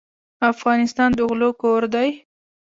افغانستان د غلو کور دی.